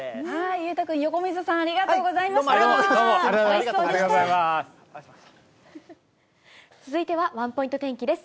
裕太君、横溝さん、ありがとどうもありがとうございまし続いてはワンポイント天気です。